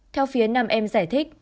theo phía năm em giải thích